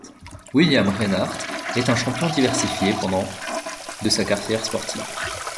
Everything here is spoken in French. William Reinhart est un champion diversifié pendant de sa carrière sportive.